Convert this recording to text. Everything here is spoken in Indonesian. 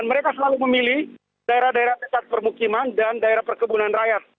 mereka selalu memilih daerah daerah dekat permukiman dan daerah perkebunan rakyat